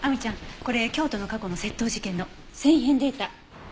これ京都の過去の窃盗事件の繊維片データ。